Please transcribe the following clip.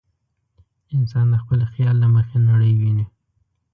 انسان د خپل خیال له مخې نړۍ ویني.